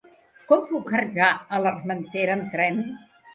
Com puc arribar a l'Armentera amb tren?